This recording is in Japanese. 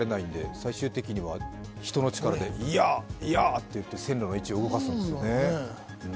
最終的には人の力で、やっ、やっ、と線路の位置を動かすんですね。